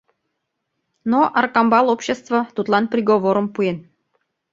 Но Аркамбал общество тудлан приговорым пуэн.